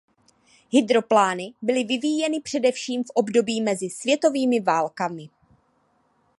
Hydroplány byly vyvíjeny především v období mezi světovými válkami.